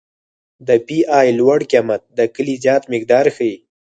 د پی ای لوړ قیمت د کلې زیات مقدار ښیي